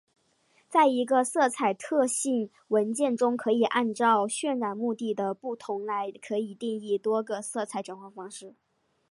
在一个色彩特性文件中可以按照渲染目的的不同来可以定义多个色彩转换方式。